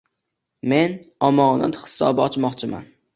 Men omonat hisobi ochmoqchiman.